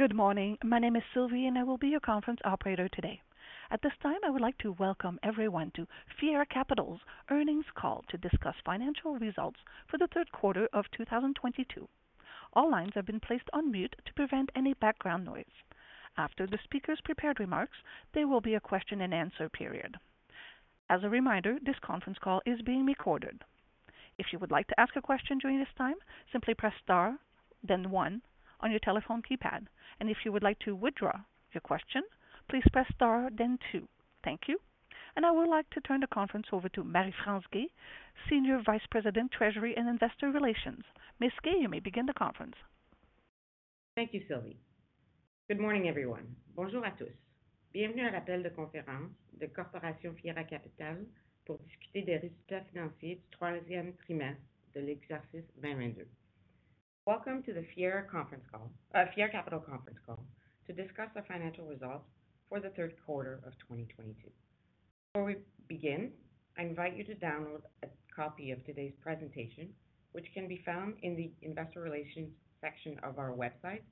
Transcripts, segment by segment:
Good morning. My name is Sylvie, and I will be your conference operator today. At this time, I would like to welcome everyone to Fiera Capital's earnings call to discuss financial results for the third quarter of 2022. All lines have been placed on mute to prevent any background noise. After the speaker's prepared remarks, there will be a question and answer period. As a reminder, this conference call is being recorded. If you would like to ask a question during this time, simply press Star then one on your telephone keypad. If you would like to withdraw your question, please press Star then two. Thank you. I would like to turn the conference over to Marie-France Guay, Senior Vice President, Treasury and Investor Relations. Ms. Guay, you may begin the conference. Thank you, Sylvie. Good morning, everyone. Bonjour à tous. Bienvenue à l'appel de conférence de Fiera Capital Corporation pour discuter des résultats financiers du troisième trimestre de l'exercice 2022. Welcome to the Fiera Capital conference call to discuss the financial results for the third quarter of 2022. Before we begin, I invite you to download a copy of today's presentation, which can be found in the investor relations section of our website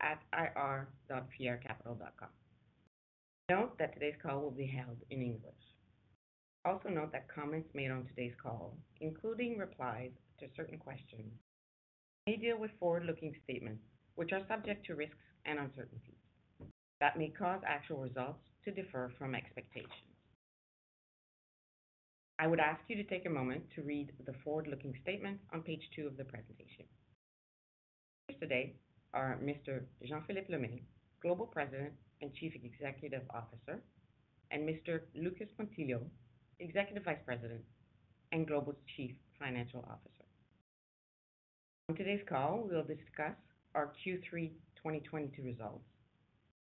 at ir.fieracapital.com. Note that today's call will be held in English. Also note that comments made on today's call, including replies to certain questions, may deal with forward-looking statements which are subject to risks and uncertainties that may cause actual results to differ from expectations. I would ask you to take a moment to read the forward-looking statements on page two of the presentation. Here today are Mr.Jean-Philippe Lemay, Global President and Chief Executive Officer, and Mr. Lucas Pontillo, Executive Vice President and Global Chief Financial Officer. On today's call, we'll discuss our Q3 2022 results,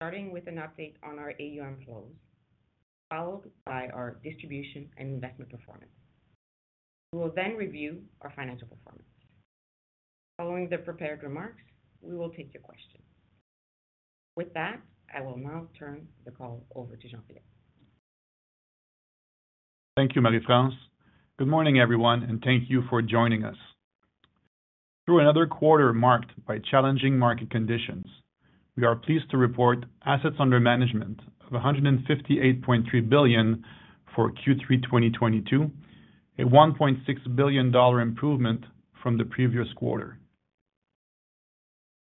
starting with an update on our AUM flows, followed by our distribution and investment performance. We will then review our financial performance. Following the prepared remarks, we will take your questions. With that, I will now turn the call over to Jean-Philippe. Thank you, Marie-France. Good morning, everyone, and thank you for joining us. Through another quarter marked by challenging market conditions, we are pleased to report assets under management of 158.3 billion for Q3 2022, a 1.6 billion dollar improvement from the previous quarter.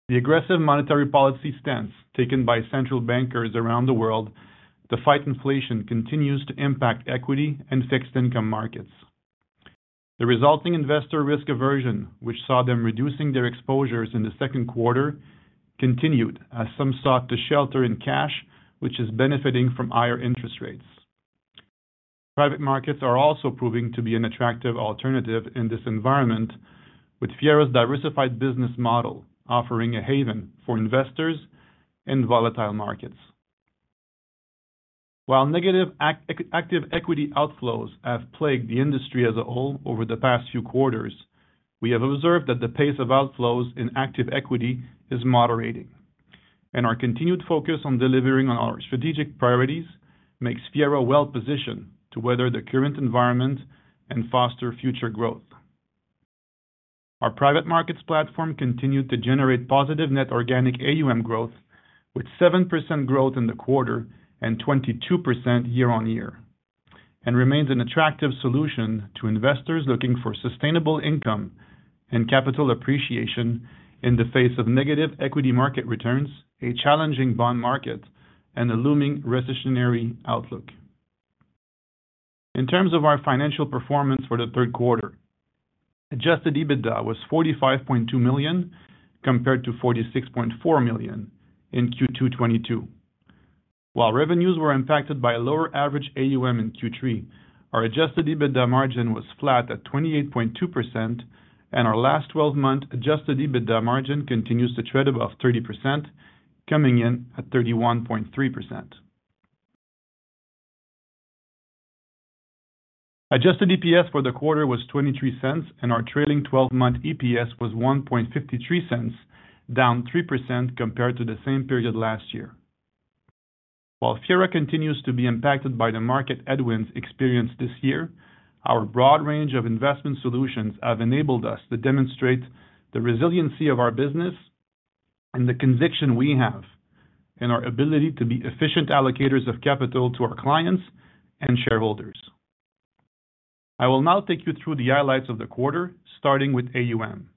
The aggressive monetary policy stance taken by central bankers around the world to fight inflation continues to impact equity and fixed income markets. The resulting investor risk aversion, which saw them reducing their exposures in the second quarter, continued as some sought to shelter in cash, which is benefiting from higher interest rates. Private markets are also proving to be an attractive alternative in this environment, with Fiera's diversified business model offering a haven for investors in volatile markets. While negative active equity outflows have plagued the industry as a whole over the past few quarters, we have observed that the pace of outflows in active equity is moderating, and our continued focus on delivering on our strategic priorities makes Fiera well positioned to weather the current environment and foster future growth. Our private markets platform continued to generate positive net organic AUM growth with 7% growth in the quarter and 22% year-on-year and remains an attractive solution to investors looking for sustainable income and capital appreciation in the face of negative equity market returns, a challenging bond market and a looming recessionary outlook. In terms of our financial performance for the third quarter, Adjusted EBITDA was 45.2 million, compared to 46.4 million in Q2 2022. While revenues were impacted by a lower average AUM in Q3, our Adjusted EBITDA margin was flat at 28.2%, and our last twelve month Adjusted EBITDA margin continues to tread above 30%, coming in at 31.3%. Adjusted EPS for the quarter was 0.23, and our trailing twelve month EPS was 1.53, down 3% compared to the same period last year. While Fiera continues to be impacted by the market headwinds experienced this year, our broad range of investment solutions have enabled us to demonstrate the resiliency of our business and the conviction we have in our ability to be efficient allocators of capital to our clients and shareholders. I will now take you through the highlights of the quarter, starting with AUM.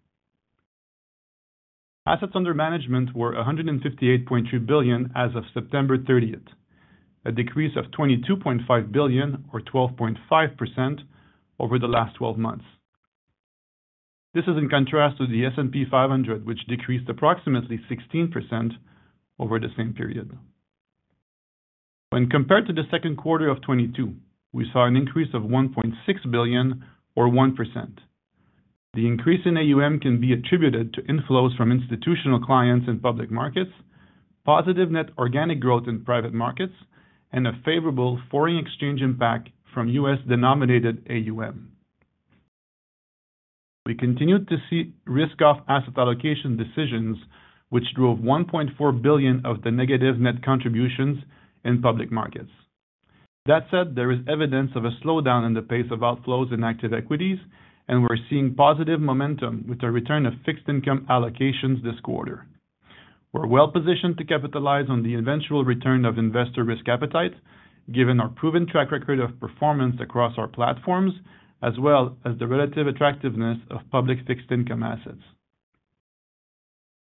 Assets under management were CAD 158.2 billion as of September 30, a decrease of CAD 22.5 billion or 12.5% over the last twelve months. This is in contrast to the S&P 500, which decreased approximately 16% over the same period. When compared to the second quarter of 2022, we saw an increase of 1.6 billion or 1%. The increase in AUM can be attributed to inflows from institutional clients in public markets, positive net organic growth in private markets, and a favorable foreign exchange impact from U.S. denominated AUM. We continued to see risk-off asset allocation decisions which drove 1.4 billion of the negative net contributions in public markets. That said, there is evidence of a slowdown in the pace of outflows in active equities, and we're seeing positive momentum with the return of fixed income allocations this quarter. We're well positioned to capitalize on the eventual return of investor risk appetite, given our proven track record of performance across our platforms, as well as the relative attractiveness of public fixed income assets.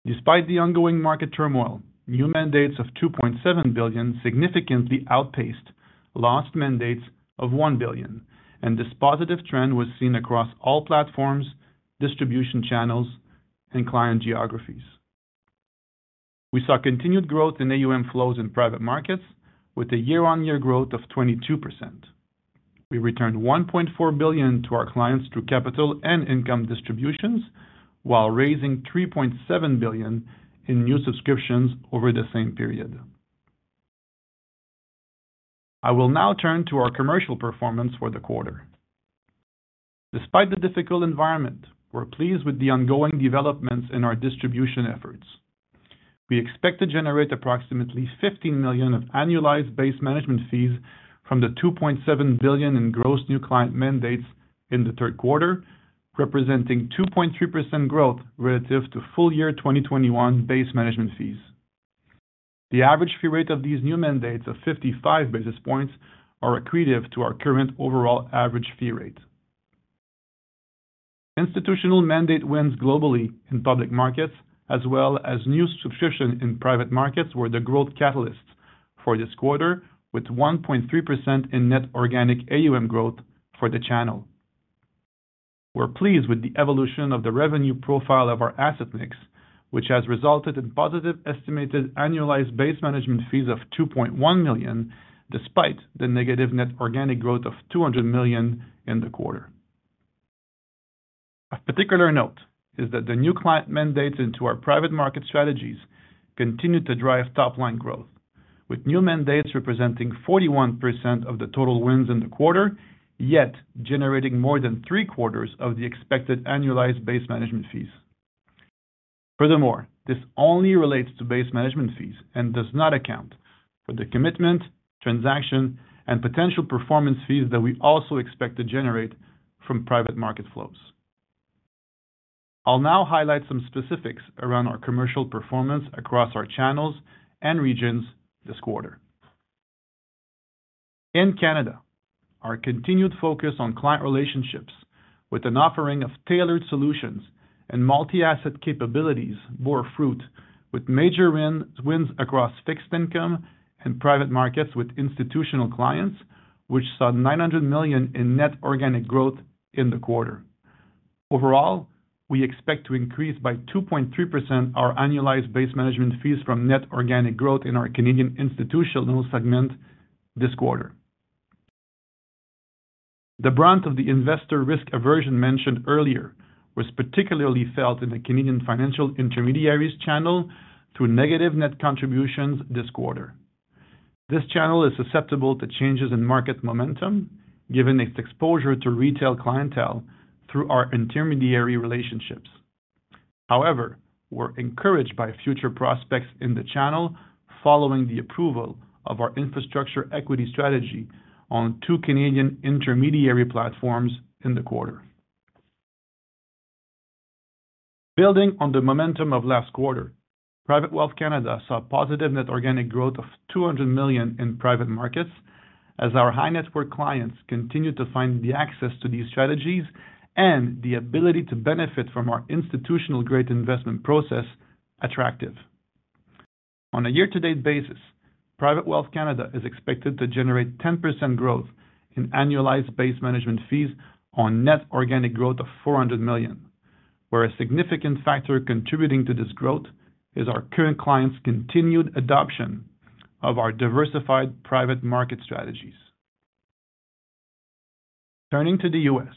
Despite the ongoing market turmoil, new mandates of 2.7 billion significantly outpaced lost mandates of 1 billion, and this positive trend was seen across all platforms, distribution channels, and client geographies. We saw continued growth in AUM flows in private markets with a year-on-year growth of 22%. We returned 1.4 billion to our clients through capital and income distributions while raising 3.7 billion in new subscriptions over the same period. I will now turn to our commercial performance for the quarter. Despite the difficult environment, we're pleased with the ongoing developments in our distribution efforts. We expect to generate approximately 15 million of annualized base management fees from the 2.7 billion in gross new client mandates in the third quarter, representing 2.3% growth relative to full year 2021 base management fees. The average fee rate of these new mandates of 55 basis points are accretive to our current overall average fee rate. Institutional mandate wins globally in public markets, as well as new subscription in private markets, were the growth catalysts for this quarter with 1.3% in net organic AUM growth for the channel. We're pleased with the evolution of the revenue profile of our asset mix, which has resulted in positive estimated annualized base management fees of 2.1 million, despite the negative net organic growth of 200 million in the quarter. Of particular note is that the new client mandates into our private market strategies continued to drive top-line growth, with new mandates representing 41% of the total wins in the quarter, yet generating more than three-quarters of the expected annualized base management fees. Furthermore, this only relates to base management fees and does not account for the commitment, transaction, and potential performance fees that we also expect to generate from private market flows. I'll now highlight some specifics around our commercial performance across our channels and regions this quarter. In Canada, our continued focus on client relationships with an offering of tailored solutions and multi-asset capabilities bore fruit with major wins across fixed income and private markets with institutional clients, which saw 900 million in net organic growth in the quarter. Overall, we expect to increase by 2.3% our annualized base management fees from net organic growth in our Canadian institutional segment this quarter. The brunt of the investor risk aversion mentioned earlier was particularly felt in the Canadian financial intermediaries channel through negative net contributions this quarter. This channel is susceptible to changes in market momentum given its exposure to retail clientele through our intermediary relationships. However, we're encouraged by future prospects in the channel following the approval of our infrastructure equity strategy on two Canadian intermediary platforms in the quarter. Building on the momentum of last quarter, Private Wealth Canada saw positive net organic growth of 200 million in private markets as our high-net-worth clients continued to find the access to these strategies and the ability to benefit from our institutional great investment process attractive. On a year-to-date basis, Private Wealth Canada is expected to generate 10% growth in annualized base management fees on net organic growth of 400 million, where a significant factor contributing to this growth is our current clients' continued adoption of our diversified private market strategies. Turning to the US,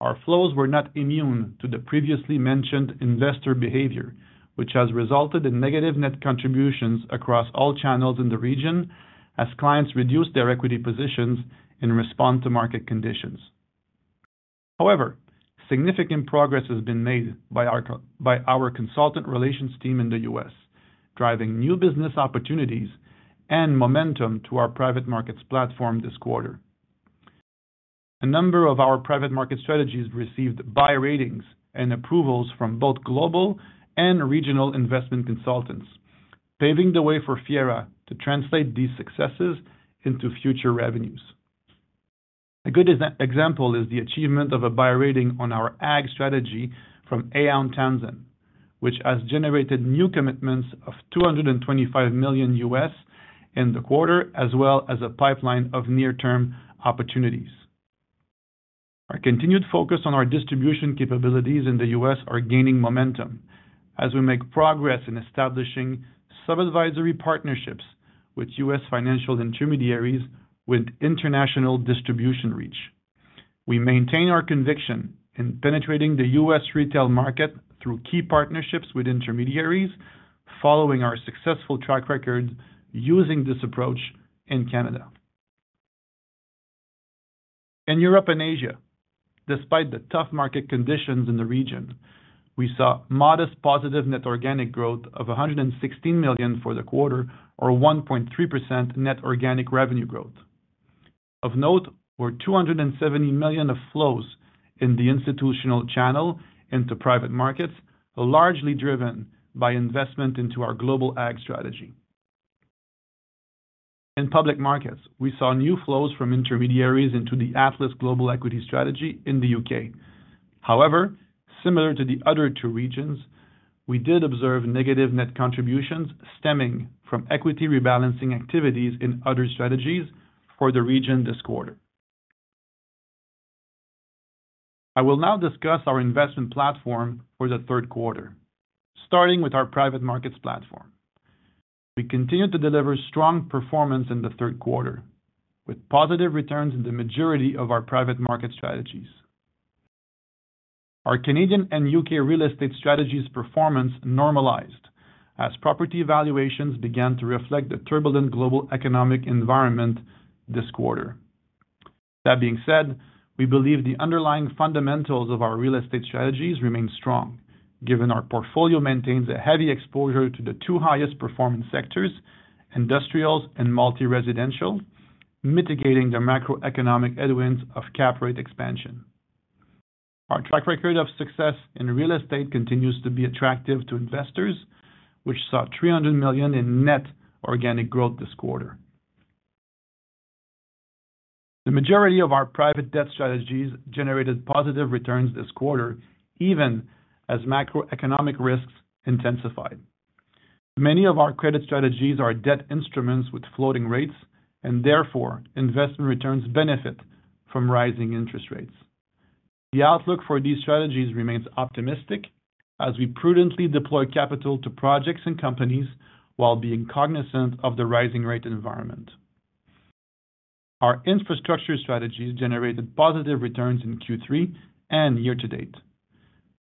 our flows were not immune to the previously mentioned investor behavior, which has resulted in negative net contributions across all channels in the region as clients reduced their equity positions in response to market conditions. However, significant progress has been made by our consultant relations team in the US, driving new business opportunities and momentum to our private markets platform this quarter. A number of our private market strategies received buy ratings and approvals from both global and regional investment consultants, paving the way for Fiera to translate these successes into future revenues. A good example is the achievement of a buy rating on our AG strategy from Aon Townsend, which has generated new commitments of $225 million in the quarter, as well as a pipeline of near-term opportunities. Our continued focus on our distribution capabilities in the US are gaining momentum as we make progress in establishing sub-advisory partnerships with US financial intermediaries with international distribution reach. We maintain our conviction in penetrating the U.S. retail market through key partnerships with intermediaries following our successful track record using this approach in Canada. In Europe and Asia, despite the tough market conditions in the region, we saw modest positive net organic growth of 116 million for the quarter or 1.3% net organic revenue growth. Of note were 270 million of flows in the institutional channel into private markets, largely driven by investment into our global AG strategy. In public markets, we saw new flows from intermediaries into the Atlas Global Equity Strategy in the U.K. However, similar to the other two regions, we did observe negative net contributions stemming from equity rebalancing activities in other strategies for the region this quarter. I will now discuss our investment platform for the third quarter, starting with our private markets platform. We continued to deliver strong performance in the third quarter with positive returns in the majority of our private market strategies. Our Canadian and UK real estate strategies performance normalized as property evaluations began to reflect the turbulent global economic environment this quarter. That being said, we believe the underlying fundamentals of our real estate strategies remain strong, given our portfolio maintains a heavy exposure to the two highest performing sectors, industrials and multi-residential, mitigating the macroeconomic headwinds of cap rate expansion. Our track record of success in real estate continues to be attractive to investors, which saw 300 million in net organic growth this quarter. The majority of our private debt strategies generated positive returns this quarter, even as macroeconomic risks intensified. Many of our credit strategies are debt instruments with floating rates, and therefore, investment returns benefit from rising interest rates. The outlook for these strategies remains optimistic as we prudently deploy capital to projects and companies while being cognizant of the rising rate environment. Our infrastructure strategies generated positive returns in Q3 and year to date.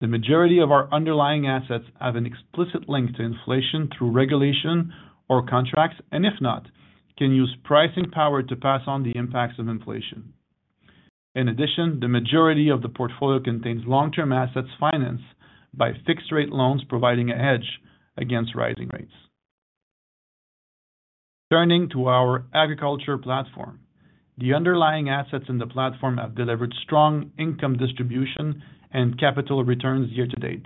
The majority of our underlying assets have an explicit link to inflation through regulation or contracts, and if not, can use pricing power to pass on the impacts of inflation. In addition, the majority of the portfolio contains long-term assets financed by fixed rate loans providing a hedge against rising rates. Turning to our agriculture platform, the underlying assets in the platform have delivered strong income distribution and capital returns year to date,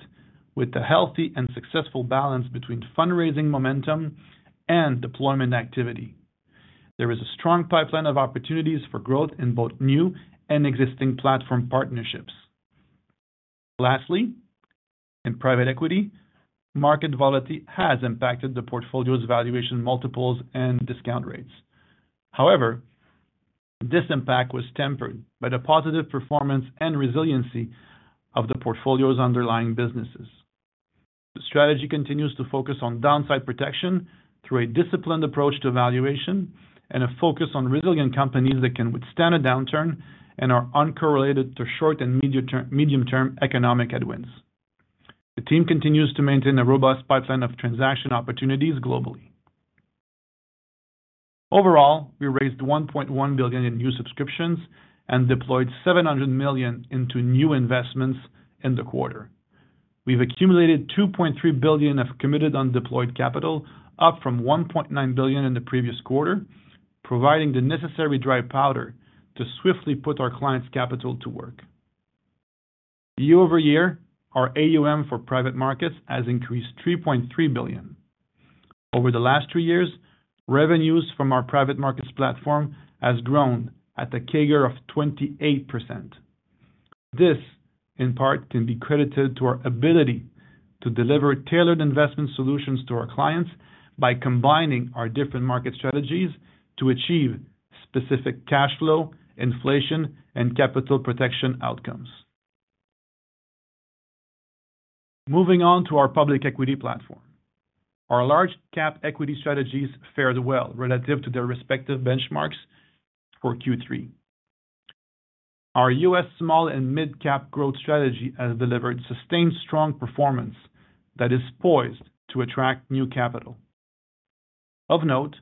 with a healthy and successful balance between fundraising momentum and deployment activity. There is a strong pipeline of opportunities for growth in both new and existing platform partnerships. Lastly, in private equity, market volatility has impacted the portfolio's valuation multiples and discount rates. However, this impact was tempered by the positive performance and resiliency of the portfolio's underlying businesses. The strategy continues to focus on downside protection through a disciplined approach to valuation and a focus on resilient companies that can withstand a downturn and are uncorrelated to short- and medium-term economic headwinds. The team continues to maintain a robust pipeline of transaction opportunities globally. Overall, we raised 1.1 billion in new subscriptions and deployed 700 million into new investments in the quarter. We've accumulated 2.3 billion of committed undeployed capital, up from 1.9 billion in the previous quarter, providing the necessary dry powder to swiftly put our clients' capital to work. Year-over-year, our AUM for private markets has increased 3.3 billion. Over the last three years, revenues from our private markets platform has grown at a CAGR of 28%. This, in part, can be credited to our ability to deliver tailored investment solutions to our clients by combining our different market strategies to achieve specific cash flow, inflation, and capital protection outcomes. Moving on to our public equity platform. Our large cap equity strategies fared well relative to their respective benchmarks for Q3. Our U.S. small and mid-cap growth strategy has delivered sustained strong performance that is poised to attract new capital. Of note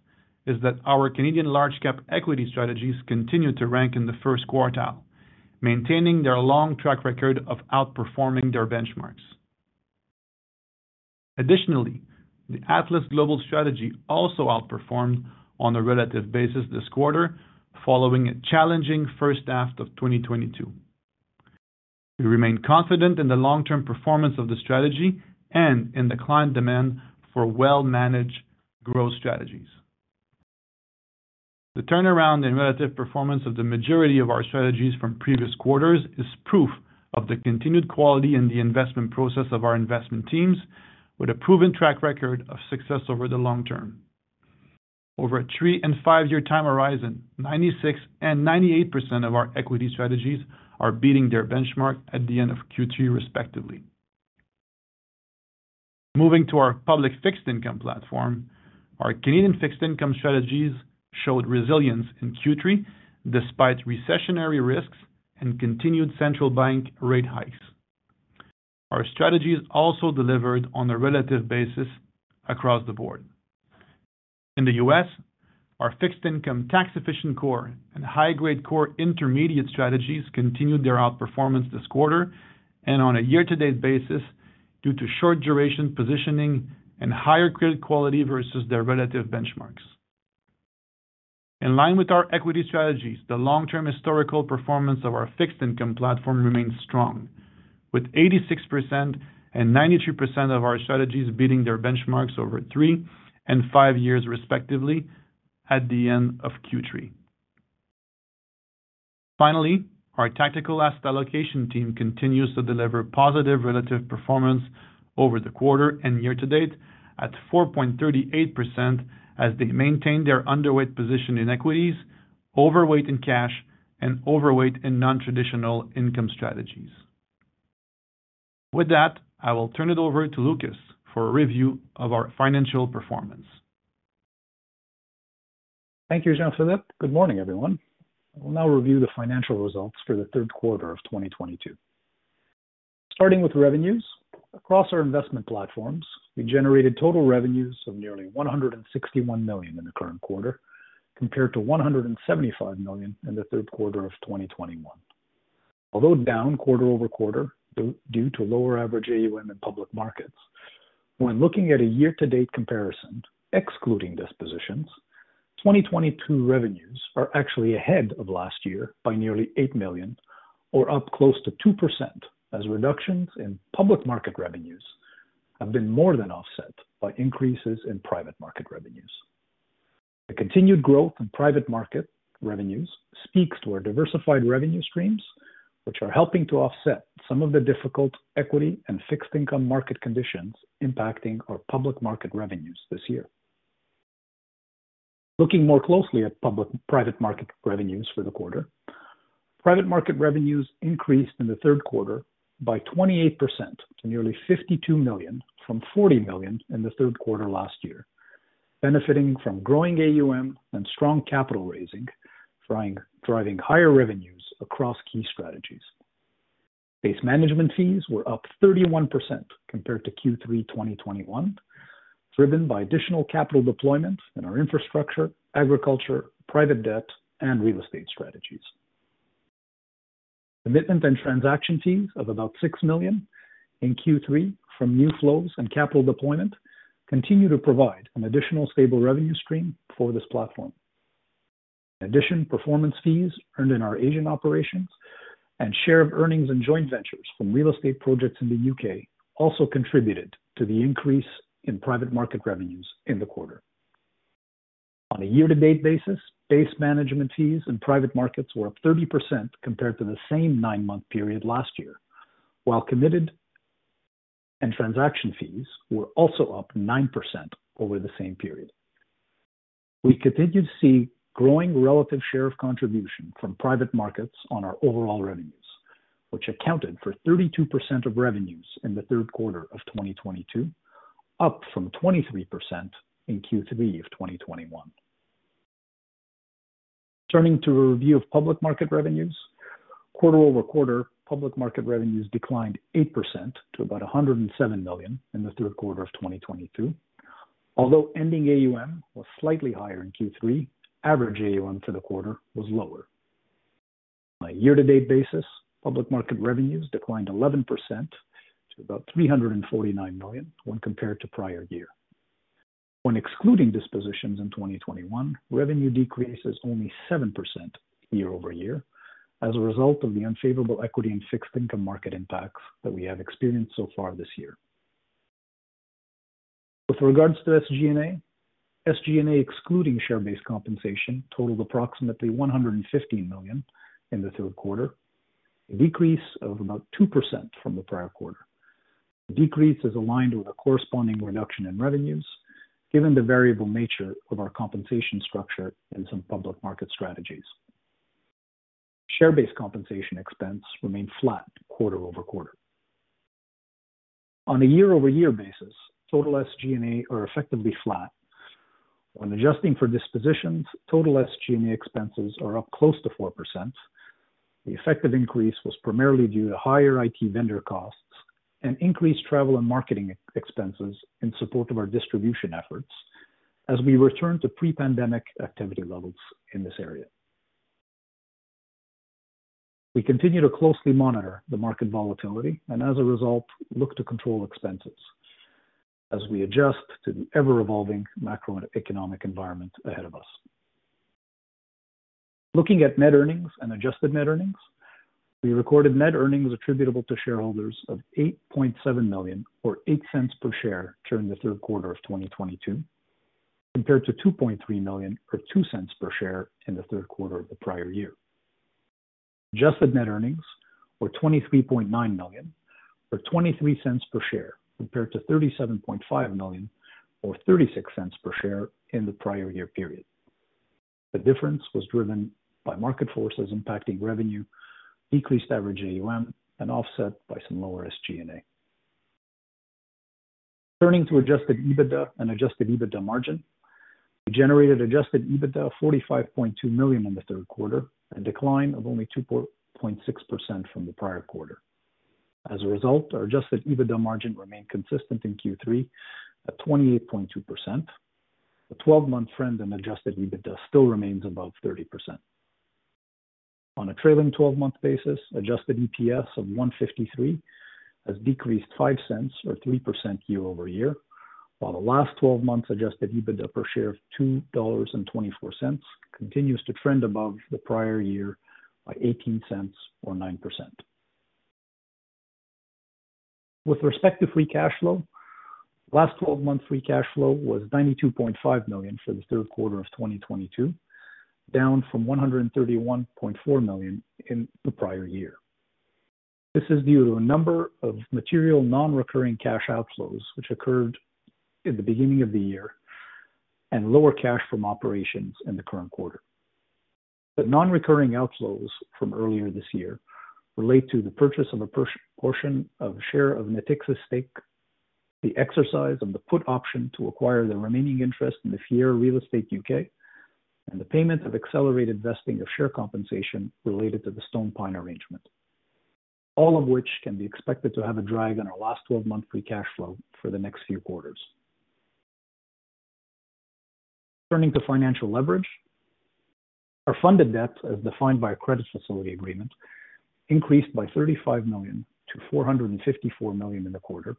is that our Canadian large cap equity strategies continue to rank in the first quartile, maintaining their long track record of outperforming their benchmarks. Additionally, the Atlas Global Strategy also outperformed on a relative basis this quarter, following a challenging first half of 2022. We remain confident in the long-term performance of the strategy and in the client demand for well-managed growth strategies. The turnaround in relative performance of the majority of our strategies from previous quarters is proof of the continued quality in the investment process of our investment teams with a proven track record of success over the long term. Over a 3- and 5-year time horizon, 96% and 98% of our equity strategies are beating their benchmark at the end of Q3, respectively. Moving to our public fixed income platform, our Canadian fixed income strategies showed resilience in Q3 despite recessionary risks and continued central bank rate hikes. Our strategies also delivered on a relative basis across the board. In the US, our fixed income tax efficient core and high grade core intermediate strategies continued their outperformance this quarter and on a year-to-date basis due to short duration positioning and higher credit quality versus their relative benchmarks. In line with our equity strategies, the long-term historical performance of our fixed income platform remains strong, with 86% and 92% of our strategies beating their benchmarks over three and five years respectively at the end of Q3. Finally, our tactical asset allocation team continues to deliver positive relative performance over the quarter and year to date at 4.38% as they maintain their underweight position in equities, overweight in cash, and overweight in non-traditional income strategies. With that, I will turn it over to Lucas for a review of our financial performance. Thank you, Jean-Philippe. Good morning, everyone. I will now review the financial results for the third quarter of 2022. Starting with revenues. Across our investment platforms, we generated total revenues of nearly 161 million in the current quarter, compared to 175 million in the third quarter of 2021. Although down quarter-over-quarter due to lower average AUM in public markets, when looking at a year-to-date comparison, excluding dispositions, 2022 revenues are actually ahead of last year by nearly 8 million or up close to 2% as reductions in public market revenues have been more than offset by increases in private market revenues. The continued growth in private market revenues speaks to our diversified revenue streams, which are helping to offset some of the difficult equity and fixed income market conditions impacting our public market revenues this year. Looking more closely at public private market revenues for the quarter. Private market revenues increased in the third quarter by 28% to nearly 52 million from 40 million in the third quarter last year, benefiting from growing AUM and strong capital raising, driving higher revenues across key strategies. Base management fees were up 31% compared to Q3 2021, driven by additional capital deployment in our infrastructure, agriculture, private debt, and real estate strategies. Commitment and transaction fees of about 6 million in Q3 from new flows and capital deployment continue to provide an additional stable revenue stream for this platform. In addition, performance fees earned in our Asian operations and share of earnings and joint ventures from real estate projects in the UK also contributed to the increase in private market revenues in the quarter. On a year-to-date basis, base management fees in private markets were up 30% compared to the same nine-month period last year, while committed and transaction fees were also up 9% over the same period. We continue to see growing relative share of contribution from private markets on our overall revenues, which accounted for 32% of revenues in the third quarter of 2022, up from 23% in Q3 of 2021. Turning to a review of public market revenues. Quarter-over-quarter, public market revenues declined 8% to about 107 million in the third quarter of 2022. Although ending AUM was slightly higher in Q3, average AUM for the quarter was lower. On a year-to-date basis, public market revenues declined 11% to about 349 million when compared to prior year. When excluding dispositions in 2021, revenue decrease is only 7% year-over-year as a result of the unfavorable equity and fixed income market impacts that we have experienced so far this year. With regards to SG&A, SG&A excluding share-based compensation totaled approximately 115 million in the third quarter, a decrease of about 2% from the prior quarter. The decrease is aligned with a corresponding reduction in revenues given the variable nature of our compensation structure in some public market strategies. Share-based compensation expense remained flat quarter-over-quarter. On a year-over-year basis, total SG&A are effectively flat. When adjusting for dispositions, total SG&A expenses are up close to 4%. The effect of increase was primarily due to higher IT vendor costs and increased travel and marketing expenses in support of our distribution efforts as we return to pre-pandemic activity levels in this area. We continue to closely monitor the market volatility and, as a result, look to control expenses as we adjust to the ever-evolving macroeconomic environment ahead of us. Looking at net earnings and Adjusted net earnings. We recorded net earnings attributable to shareholders of 8.7 million or 0.08 per share during the third quarter of 2022, compared to 2.3 million or 0.02 per share in the third quarter of the prior year. Adjusted net earnings were 23.9 million or 0.23 per share, compared to 37.5 million or 0.36 per share in the prior year period. The difference was driven by market forces impacting revenue, decreased average AUM, and offset by some lower SG&A. Turning to Adjusted EBITDA and Adjusted EBITDA margin. We generated Adjusted EBITDA of 45.2 million in the third quarter and decline of only 2.6% from the prior quarter. As a result, our Adjusted EBITDA margin remained consistent in Q3 at 28.2%. The 12-month trend in Adjusted EBITDA still remains above 30%. On a trailing 12-month basis, Adjusted EPS of 1.53 has decreased 0.05, or 3% year-over-year, while the last 12 months Adjusted EBITDA per share of 2.24 dollars continues to trend above the prior year by 0.18 or 9%. With respect to free cash flow, last twelve months free cash flow was 92.5 million for the third quarter of 2022, down from 131.4 million in the prior year. This is due to a number of material non-recurring cash outflows which occurred in the beginning of the year and lower cash from operations in the current quarter. The non-recurring outflows from earlier this year relate to the purchase of a portion of a share of Natixis stake, the exercise of the put option to acquire the remaining interest in the Fiera Real Estate UK, and the payment of accelerated vesting of share compensation related to the StonePine arrangement. All of which can be expected to have a drag on our last twelve-month free cash flow for the next few quarters. Turning to financial leverage. Our funded debt, as defined by our credit facility agreement, increased by 35 million to 454 million in the quarter,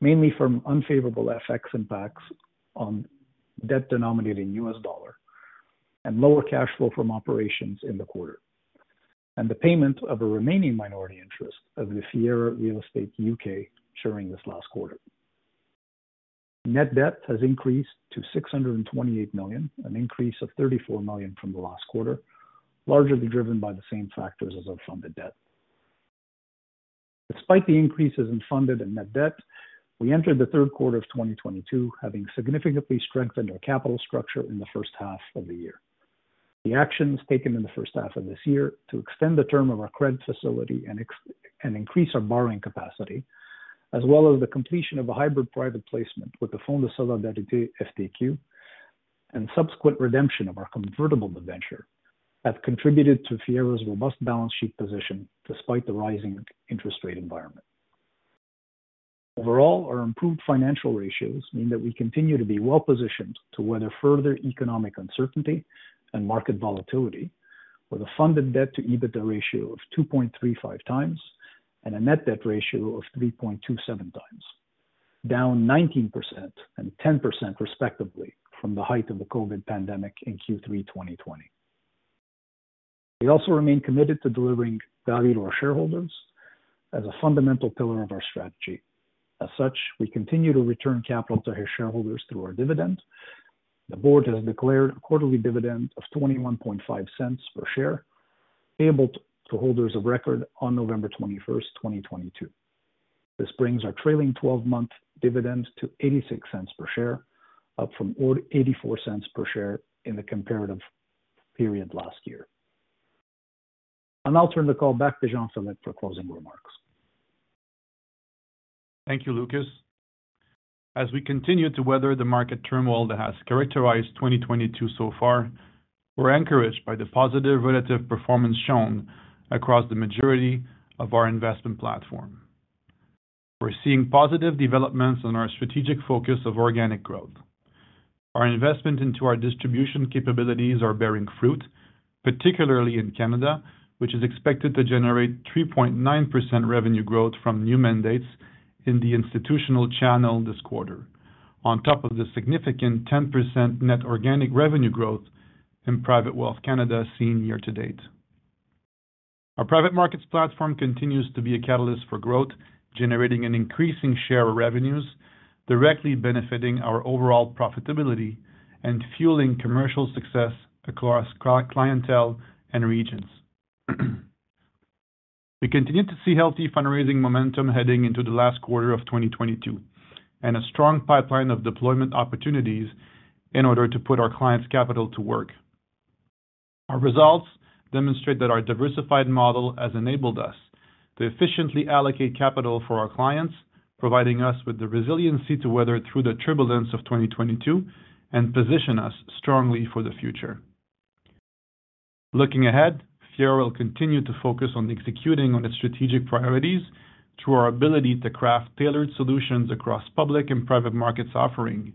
mainly from unfavorable FX impacts on debt denominated in U.S. dollar and lower cash flow from operations in the quarter, and the payment of a remaining minority interest of the Fiera Real Estate UK during this last quarter. Net debt has increased to 628 million, an increase of 34 million from the last quarter, largely driven by the same factors as our funded debt. Despite the increases in funded and net debt, we entered the third quarter of 2022 having significantly strengthened our capital structure in the first half of the year. The actions taken in the first half of this year to extend the term of our credit facility and increase our borrowing capacity, as well as the completion of a hybrid private placement with the Fonds de solidarité FTQ, and subsequent redemption of our convertible debenture, have contributed to Fiera's robust balance sheet position despite the rising interest rate environment. Overall, our improved financial ratios mean that we continue to be well-positioned to weather further economic uncertainty and market volatility with a funded debt to EBITDA ratio of 2.35 times and a net debt ratio of 3.27 times. Down 19% and 10% respectively from the height of the COVID pandemic in Q3 2020. We also remain committed to delivering value to our shareholders as a fundamental pillar of our strategy. As such, we continue to return capital to our shareholders through our dividend. The board has declared a quarterly dividend of 0.215 per share, payable to holders of record on November 21st, 2022. This brings our trailing twelve-month dividend to 0.86 per share, up from eighty-four cents per share in the comparative period last year. I'll turn the call back to Jean-Philippe Lemay for closing remarks. Thank you, Lucas. As we continue to weather the market turmoil that has characterized 2022 so far, we're encouraged by the positive relative performance shown across the majority of our investment platform. We're seeing positive developments in our strategic focus of organic growth. Our investment into our distribution capabilities are bearing fruit, particularly in Canada, which is expected to generate 3.9% revenue growth from new mandates in the institutional channel this quarter. On top of the significant 10% net organic revenue growth in Private Wealth Canada seen year to date. Our private markets platform continues to be a catalyst for growth, generating an increasing share of revenues, directly benefiting our overall profitability and fueling commercial success across clientele and regions. We continue to see healthy fundraising momentum heading into the last quarter of 2022, and a strong pipeline of deployment opportunities in order to put our clients' capital to work. Our results demonstrate that our diversified model has enabled us to efficiently allocate capital for our clients, providing us with the resiliency to weather through the turbulence of 2022 and position us strongly for the future. Looking ahead, Fiera will continue to focus on executing on its strategic priorities through our ability to craft tailored solutions across public and private markets offering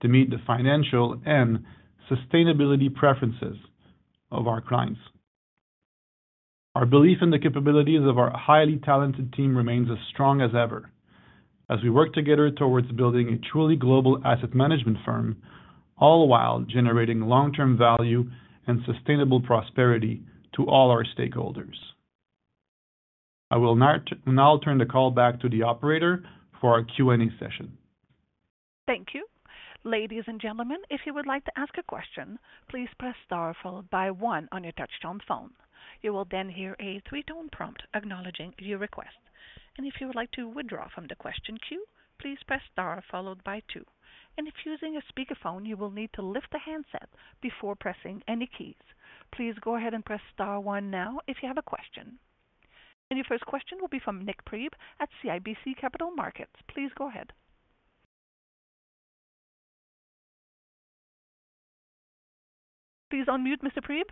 to meet the financial and sustainability preferences of our clients. Our belief in the capabilities of our highly talented team remains as strong as ever as we work together towards building a truly global asset management firm, all while generating long-term value and sustainable prosperity to all our stakeholders. Now turn the call back to the operator for our Q&A session. Thank you. Ladies and gentlemen, if you would like to ask a question, please press star followed by one on your touchtone phone. You will then hear a three-tone prompt acknowledging your request. If you would like to withdraw from the question queue, please press star followed by two. If using a speakerphone, you will need to lift the handset before pressing any keys. Please go ahead and press star one now if you have a question. Your first question will be from Nik Priebe at CIBC Capital Markets. Please go ahead. Please unmute, Mr. Priebe.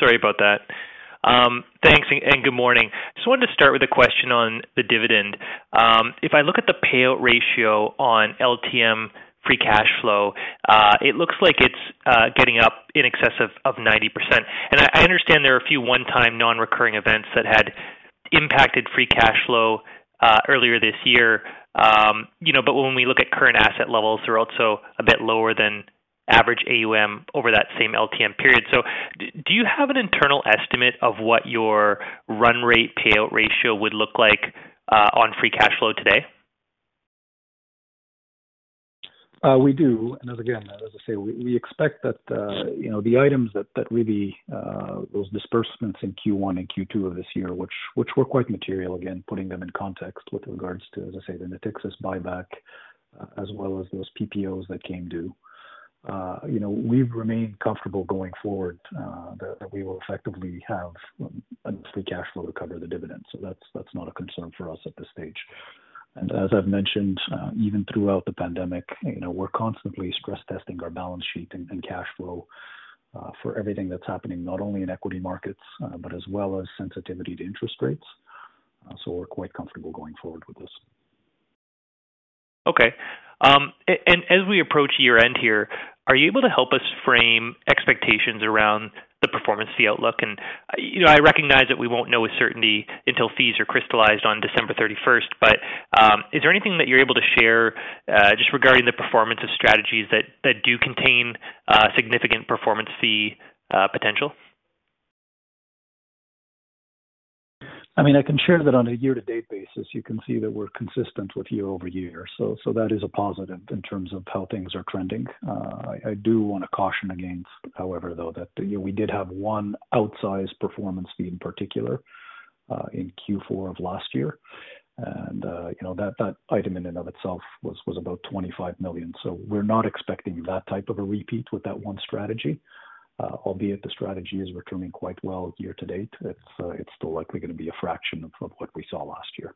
Sorry about that. Thanks and good morning. Just wanted to start with a question on the dividend. If I look at the payout ratio on LTM free cash flow, it looks like it's getting up in excess of 90%. I understand there are a few one-time non-recurring events that had impacted free cash flow earlier this year. You know, but when we look at current asset levels are also a bit lower than average AUM over that same LTM period. Do you have an internal estimate of what your run rate payout ratio would look like on free cash flow today? We do. Again, as I say, we expect that, you know, the items that really those disbursements in Q1 and Q2 of this year, which were quite material, again, putting them in context with regards to, as I say, the Natixis buyback as well as those PPOs that came due. You know, we've remained comfortable going forward, that we will effectively have enough free cash flow to cover the dividend. That's not a concern for us at this stage. As I've mentioned, even throughout the pandemic, you know, we're constantly stress testing our balance sheet and cash flow, for everything that's happening, not only in equity markets, but as well as sensitivity to interest rates. We're quite comfortable going forward with this. Okay. And as we approach year-end here, are you able to help us frame expectations around the performance fee outlook? You know, I recognize that we won't know with certainty until fees are crystallized on December 31st. Is there anything that you're able to share just regarding the performance of strategies that do contain significant performance fee potential? I mean, I can share that on a year to date basis, you can see that we're consistent with year-over-year. That is a positive in terms of how things are trending. I do want to caution against, however, though, that, you know, we did have one outsized performance fee in particular, in Q4 of last year. You know, that item in and of itself was about 25 million. We're not expecting that type of a repeat with that one strategy. Albeit the strategy is returning quite well year to date. It's still likely going to be a fraction of what we saw last year.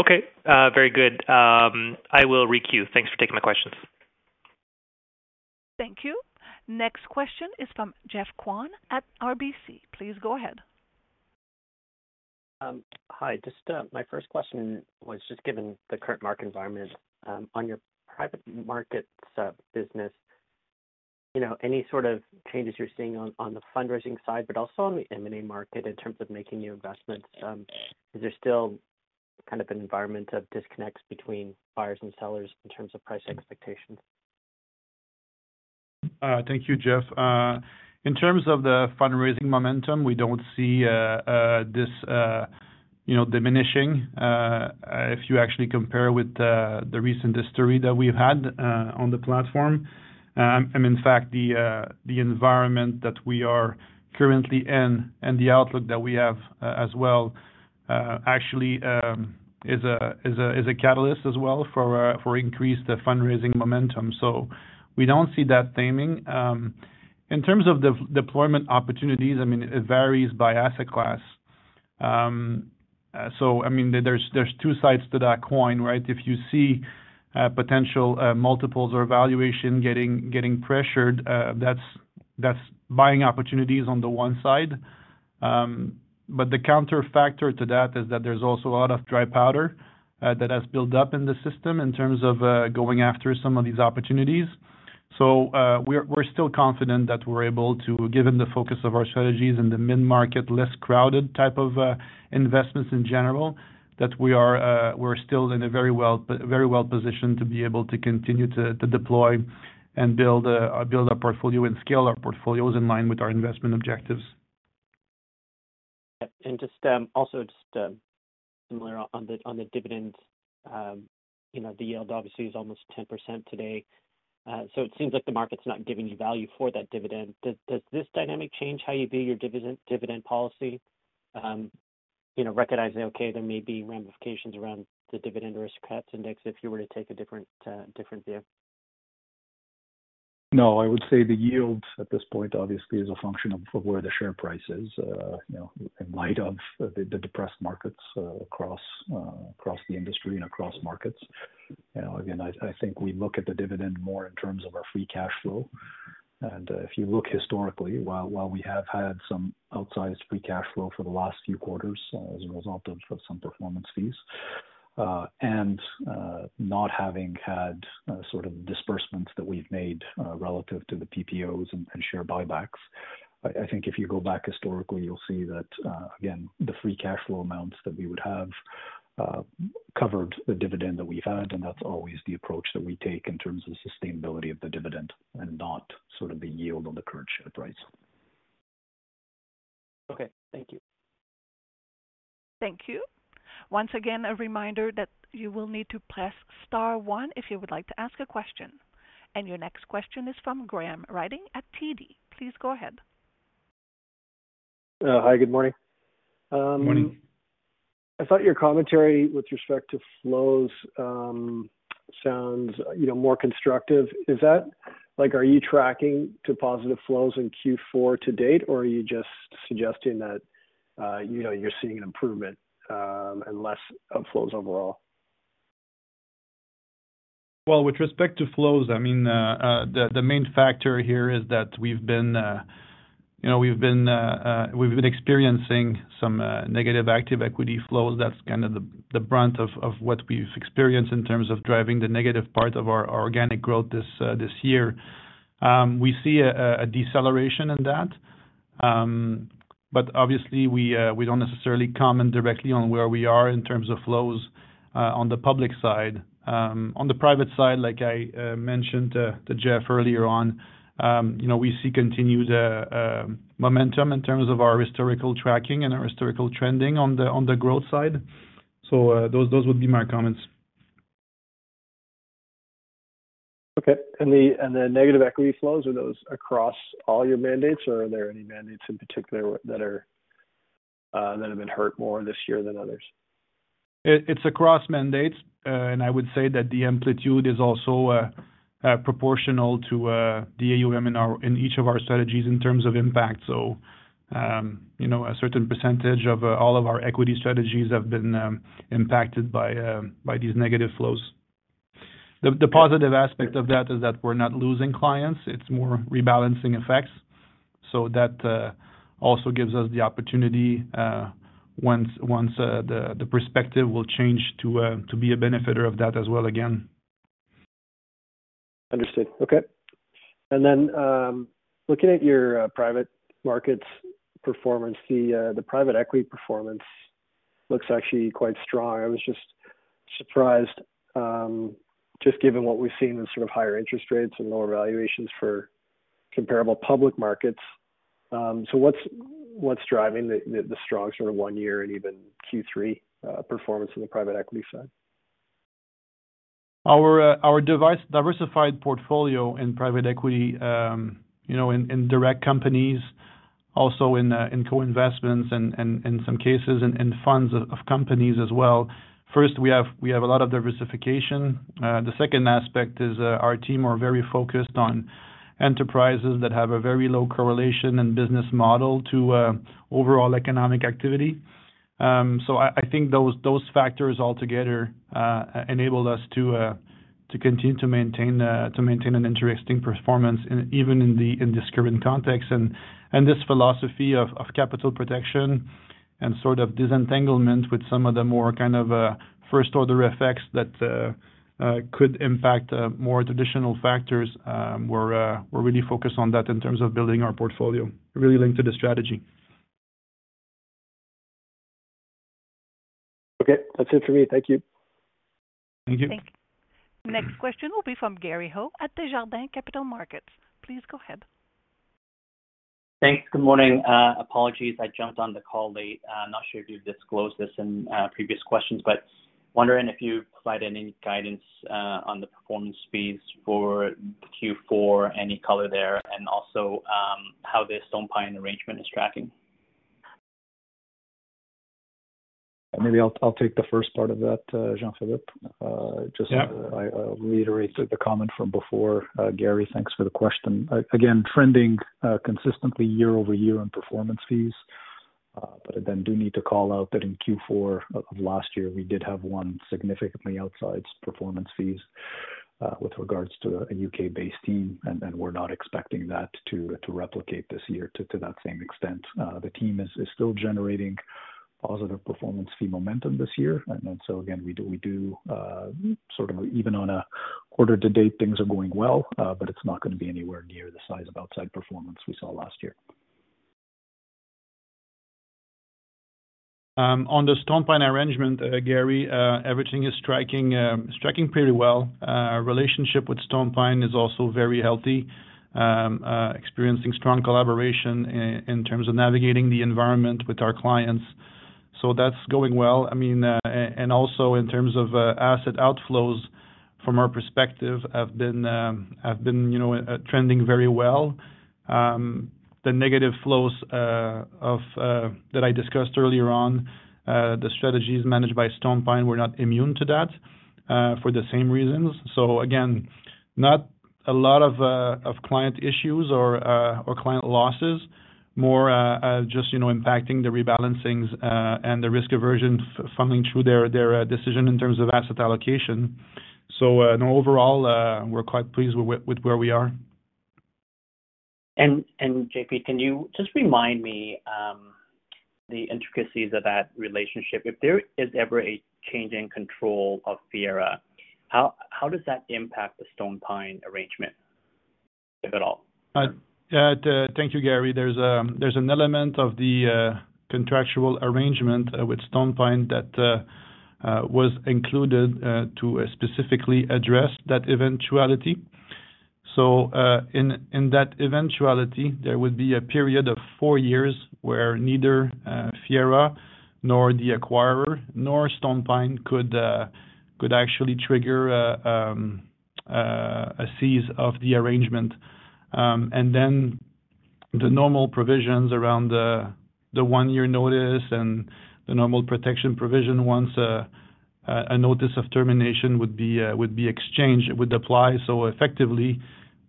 Okay. Very good. I will requeue. Thanks for taking my questions. Thank you. Next question is from Geoff Kwan at RBC. Please go ahead. Hi. Just, my first question was just given the current market environment, on your private markets, business, you know, any sort of changes you're seeing on the fundraising side, but also on the M&A market in terms of making new investments. Is there still kind of an environment of disconnects between buyers and sellers in terms of price expectations? Thank you, Geoffrey. In terms of the fundraising momentum, we don't see this you know diminishing if you actually compare with the recent history that we've had on the platform. In fact, the environment that we are currently in and the outlook that we have as well actually is a catalyst as well for increased fundraising momentum. We don't see that dimming. In terms of the deployment opportunities, I mean, it varies by asset class. I mean, there's two sides to that coin, right? If you see potential multiples or valuation getting pressured, that's buying opportunities on the one side. The counter factor to that is that there's also a lot of dry powder that has built up in the system in terms of going after some of these opportunities. We're still confident that we're able to, given the focus of our strategies in the mid-market, less crowded type of investments in general, that we're still in a very well positioned to be able to continue to deploy and build our portfolio and scale our portfolios in line with our investment objectives. Just also similar on the dividend, you know, the yield obviously is almost 10% today. It seems like the market's not giving you value for that dividend. Does this dynamic change how you view your dividend policy? You know, recognizing, okay, there may be ramifications around the dividend risk index if you were to take a different view. No, I would say the yield at this point, obviously, is a function of where the share price is, you know, in light of the depressed markets across the industry and across markets. You know, again, I think we look at the dividend more in terms of our free cash flow. If you look historically, while we have had some outsized free cash flow for the last few quarters as a result of some performance fees and not having had sort of disbursements that we've made relative to the PPOs and share buybacks. I think if you go back historically, you'll see that, again, the free cash flow amounts that we would have covered the dividend that we've had, and that's always the approach that we take in terms of sustainability of the dividend and not sort of the yield on the current share price. Okay. Thank you. Thank you. Once again, a reminder that you will need to press star one if you would like to ask a question. Your next question is from Graham Ryding at TD. Please go ahead. Hi, good morning. Morning. I thought your commentary with respect to flows sounds, you know, more constructive. Is that like are you tracking to positive flows in Q4 to date, or are you just suggesting that, you know, you're seeing an improvement and less outflows overall? Well, with respect to flows, I mean, the main factor here is that we've been, you know, experiencing some negative active equity flows. That's kind of the brunt of what we've experienced in terms of driving the negative part of our organic growth this year. We see a deceleration in that. Obviously we don't necessarily comment directly on where we are in terms of flows on the public side. On the private side, like I mentioned to Jeff earlier on, you know, we see continued momentum in terms of our historical tracking and our historical trending on the growth side. Those would be my comments. Okay. The negative equity flows, are those across all your mandates? Or are there any mandates in particular that have been hurt more this year than others? It's across mandates. I would say that the amplitude is also proportional to the AUM in each of our strategies in terms of impact. You know, a certain percentage of all of our equity strategies have been impacted by these negative flows. The positive aspect of that is that we're not losing clients. It's more rebalancing effects. That also gives us the opportunity once the perspective will change to be a benefiter of that as well again. Understood. Okay. Looking at your private markets performance, the private equity performance looks actually quite strong. I was just surprised, just given what we've seen in sort of higher interest rates and lower valuations for comparable public markets. What's driving the strong sort of one year and even Q3 performance on the private equity side? Our diversified portfolio in private equity, you know, in direct companies also in co-investments and in some cases in funds of companies as well. First, we have a lot of diversification. The second aspect is, our team are very focused on enterprises that have a very low correlation and business model to overall economic activity. I think those factors altogether enabled us to continue to maintain an interesting performance even in this current context. This philosophy of capital protection and sort of disentanglement with some of the more kind of first order effects that could impact more traditional factors, we're really focused on that in terms of building our portfolio, really linked to the strategy. Okay. That's it for me. Thank you. Thank you. Thank you. Next question will be from Gary Ho at Desjardins Capital Markets. Please go ahead. Thanks. Good morning. Apologies, I jumped on the call late. Not sure if you've disclosed this in previous questions, but wondering if you provided any guidance on the performance fees for Q4, any color there. Also, how the StonePine arrangement is tracking. Maybe I'll take the first part of that, Jean-Philippe. Just- Yeah. I reiterate the comment from before. Gary, thanks for the question. Again, trending consistently year-over-year on performance fees. But I then do need to call out that in Q4 of last year, we did have one significant outsize performance fees with regard to a UK-based team, and we're not expecting that to replicate this year to that same extent. The team is still generating positive performance fee momentum this year. Again, we do sort of even on a quarter-to-date, things are going well, but it's not going to be anywhere near the size of outsize performance we saw last year. On the StonePine arrangement, Gary, everything is tracking pretty well. Our relationship with StonePine is also very healthy, experiencing strong collaboration in terms of navigating the environment with our clients. That's going well. I mean, and also in terms of asset outflows from our perspective have been, you know, trending very well. The negative flows that I discussed earlier on the strategies managed by StonePine were not immune to that for the same reasons. Again, not a lot of client issues or client losses. More just, you know, impacting the rebalancings and the risk-averse funding through their decision in terms of asset allocation. Overall, we're quite pleased with where we are. J.P., can you just remind me the intricacies of that relationship? If there is ever a change in control of Fiera, how does that impact the StonePine arrangement, if at all? Thank you, Gary. There's an element of the contractual arrangement with StonePine that was included to specifically address that eventuality. In that eventuality, there would be a period of four years where neither Fiera nor the acquirer, nor StonePine could actually trigger a cease of the arrangement. Then the normal provisions around the one-year notice and the normal protection provision once a notice of termination would be exchanged, it would apply. Effectively,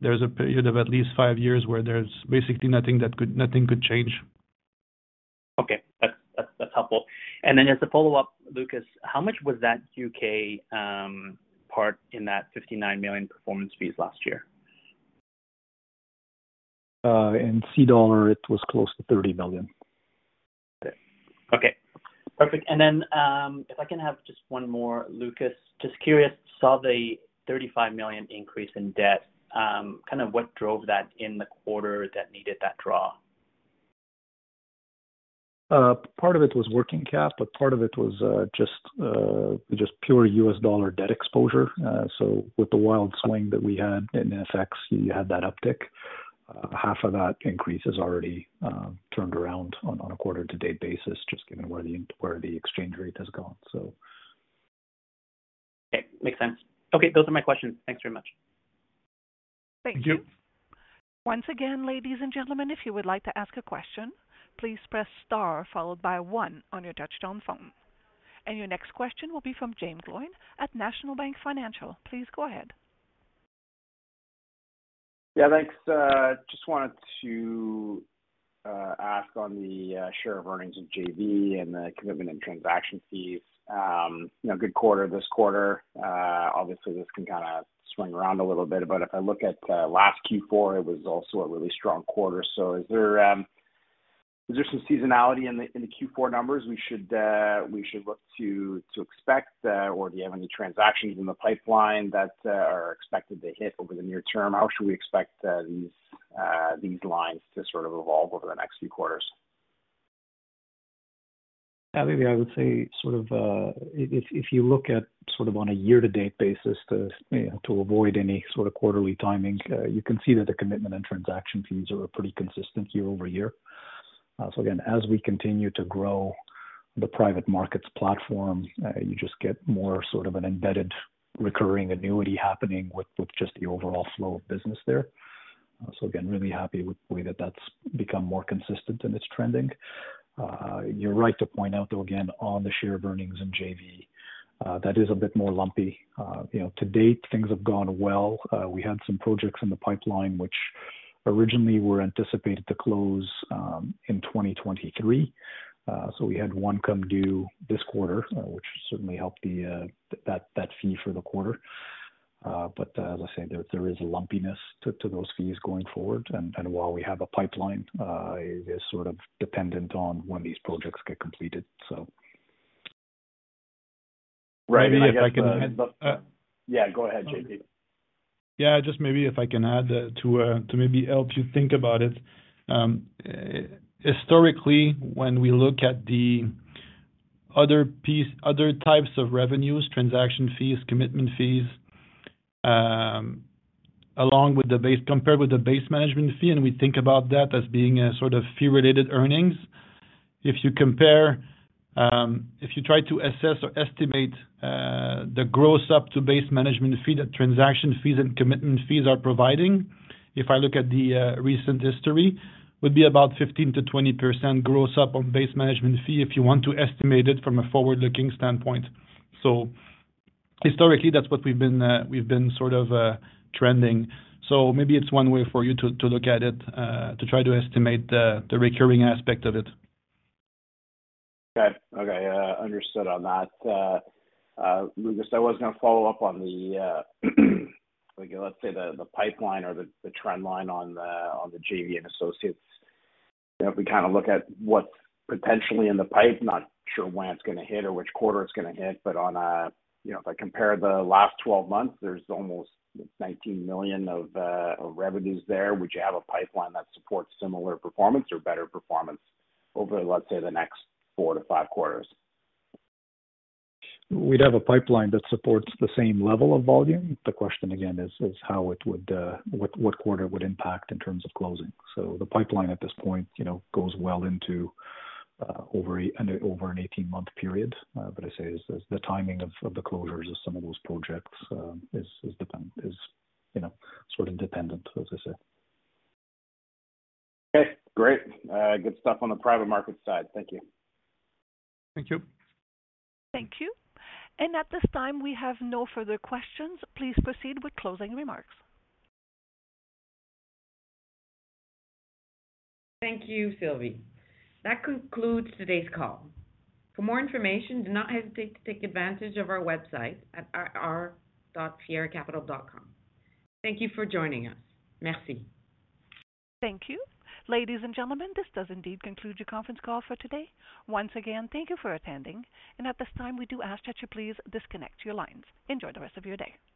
there's a period of at least five years where there's basically nothing that could change. Okay. That's helpful. As a follow-up, Lucas, how much was that UK part in that 59 million performance fees last year? In CAD, it was close to 30 million. Okay. Perfect. If I can have just one more, Lucas. Just curious, saw the 35 million increase in debt. Kind of what drove that in the quarter that needed that draw? Part of it was working cap, but part of it was just pure U.S. dollar debt exposure. With the wild swing that we had in FX, you had that uptick. Half of that increase is already turned around on a quarter to date basis, just given where the exchange rate has gone. Okay. Makes sense. Okay, those are my questions. Thanks very much. Thank you. Once again, ladies and gentlemen, if you would like to ask a question, please press star followed by one on your touchtone phone. Your next question will be from Jaeme Gloyn at National Bank Financial. Please go ahead. Yeah, thanks. Just wanted to ask on the share of earnings of JV and the commitment and transaction fees. You know, good quarter this quarter. Obviously this can kind of swing around a little bit, but if I look at last Q4, it was also a really strong quarter. Is there some seasonality in the Q4 numbers we should look to expect, or do you have any transactions in the pipeline that are expected to hit over the near term? How should we expect these lines to sort of evolve over the next few quarters? Maybe I would say sort of, if you look at sort of on a year to date basis, you know, to avoid any sort of quarterly timing, you can see that the commitment and transaction fees are pretty consistent year over year. So again, as we continue to grow the private markets platform, you just get more sort of an embedded recurring annuity happening with just the overall flow of business there. Really happy with the way that that's become more consistent and it's trending. You're right to point out though, again, on the share of earnings in JV, that is a bit more lumpy. You know, to date, things have gone well. We had some projects in the pipeline, which originally were anticipated to close in 2023. We had one come due this quarter, which certainly helped that fee for the quarter. As I say, there is a lumpiness to those fees going forward. While we have a pipeline, it is sort of dependent on when these projects get completed. Right. Maybe if I can- Yeah, go ahead, J.P. Yeah, just maybe if I can add to maybe help you think about it. Historically, when we look at the other piece, other types of revenues, transaction fees, commitment fees, along with the base management fee compared with the base management fee, and we think about that as being a sort of fee related earnings. If you compare, if you try to assess or estimate, the gross up to base management fee that transaction fees and commitment fees are providing, if I look at the recent history, would be about 15%-20% gross up on base management fee if you want to estimate it from a forward-looking standpoint. Historically, that's what we've been sort of trending. Maybe it's one way for you to try to estimate the recurring aspect of it. Okay. Okay. Understood on that. Lucas, I was gonna follow up on the, like, let's say the pipeline or the trend line on the JV and associates. You know, if we kind of look at what's potentially in the pipe, not sure when it's gonna hit or which quarter it's gonna hit, but on a, you know, if I compare the last 12 months, there's almost 19 million of revenues there. Would you have a pipeline that supports similar performance or better performance over, let's say, the next 4-5 quarters? We'd have a pipeline that supports the same level of volume. The question again is how it would, what quarter would impact in terms of closing. The pipeline at this point, you know, goes well into, over an 18-month period. As I say, the timing of the closures of some of those projects is, you know, sort of dependent, as I say. Okay, great. Good stuff on the private market side. Thank you. Thank you. Thank you. At this time, we have no further questions. Please proceed with closing remarks. Thank you, Sylvie. That concludes today's call. For more information, do not hesitate to take advantage of our website at ir.fieracapital.com. Thank you for joining us. Merci. Thank you. Ladies and gentlemen, this does indeed conclude your conference call for today. Once again, thank you for attending, and at this time we do ask that you please disconnect your lines. Enjoy the rest of your day.